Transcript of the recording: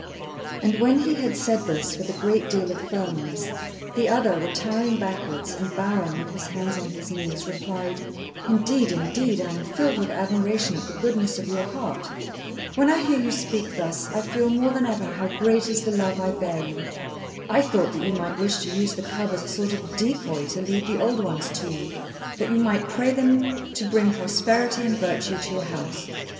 And when he had said this with a great deal of firmness, the other, retiring backwards and bowing with his hands on his knees, replied "Indeed, indeed, I am filled with admiration at the goodness of your heart. When I hear you speak thus, I feel more than ever how great is the love I bear you. I thought that you might wish to use the cub as a sort of decoy to lead the old ones to you, that you might pray them to bring prosperity and virtue to your house.